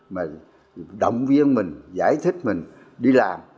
mà động viên mình giải thích mình đi làm